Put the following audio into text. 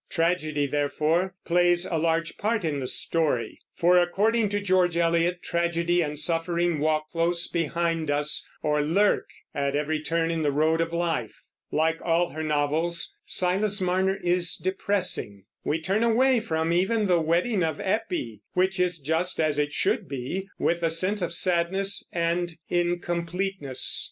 Tragedy, therefore, plays a large part in the story; for, according to George Eliot, tragedy and suffering walk close behind us, or lurk at every turn in the road of life. Like all her novels, Silas Marner is depressing. We turn away from even the wedding of Eppie which is just as it should be with a sense of sadness and incompleteness.